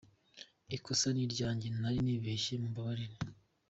Ikosa ni iryanjye”, “nari nibeshye”, “mumbabarire”.